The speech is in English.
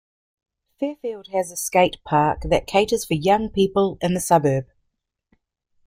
Fairfield has a Skate Park that caters for young people in the suburb.